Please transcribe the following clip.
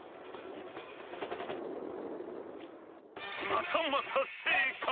またまた正解！